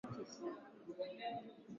gu tutokea kwa tetemeko mbaya la ardhi